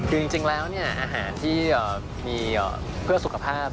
คือจริงแล้วอาหารที่มีเพื่อสุขภาพ